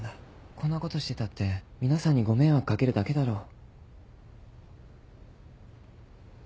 こんなことしてたって皆さんにご迷惑かけるだけだろう。